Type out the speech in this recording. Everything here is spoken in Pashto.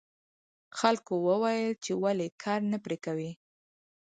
خلکو وویل چې ولې کار نه پرې کوې.